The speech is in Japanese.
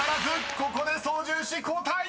ここで操縦士交代！］